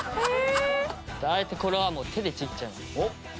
あえてこれはもう手でちぎっちゃいます。